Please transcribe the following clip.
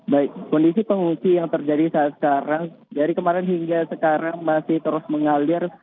baik kondisi pengungsi yang terjadi saat sekarang dari kemarin hingga sekarang masih terus mengalir